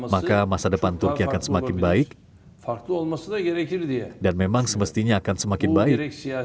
maka masa depan turki akan semakin baik dan memang semestinya akan semakin baik